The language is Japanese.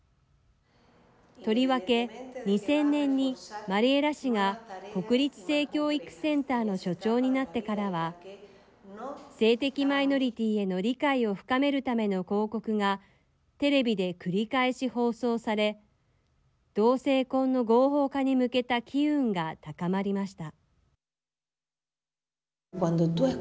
とりわけ２０００年にマリエラ氏が国立性教育センターの所長になってからは性的マイノリティーへの理解を深めるための広告がテレビで繰り返し放送され同性婚の合法化に向けた機運が高まりました。